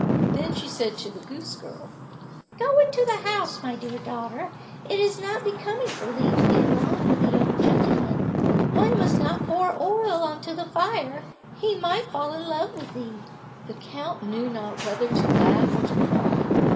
Then she said to the goose girl, "Go into the house, my dear daughter, it is not becoming for thee to be alone with a young gentleman; one must not pour oil on to the fire, he might fall in love with thee." The count knew not whether to laugh or to cry.